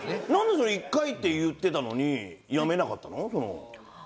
なんで１回って言ってたのに辞めなかったの？